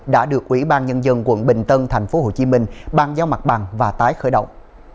đã được ủy ban nhân dân quận bình tân tp hcm ban giáo mặt bằng và tái khởi động